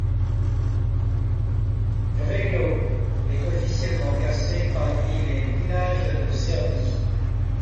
Vrelo est officiellement classé parmi les villages de Serbie.